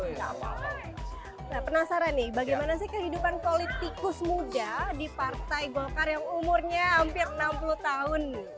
nah penasaran nih bagaimana sih kehidupan politikus muda di partai golkar yang umurnya hampir enam puluh tahun